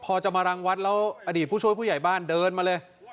พอจะมารังวัดแล้วอดีตผู้ช่วยผู้ใหญ่บ้านเดินมาเลย